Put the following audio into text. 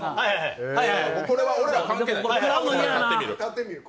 これは俺ら、関係ない。